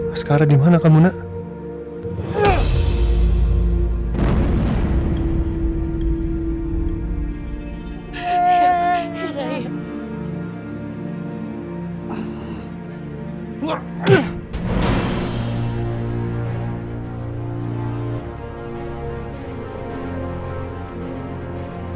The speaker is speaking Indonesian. askara dimana kamu nak